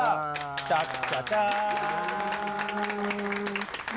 チャッチャチャー！